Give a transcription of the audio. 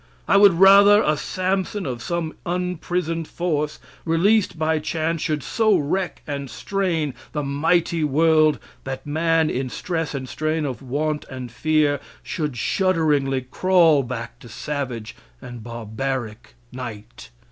I would rather a Samson of some unprisoned force, released by chance, should so wreck and strain the mighty world that man in stress and strain of want and fear should shudderingly crawl back to savage and barbaric night.